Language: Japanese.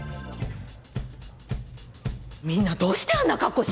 みんなどうしてあんな格好をしてきたのかしら？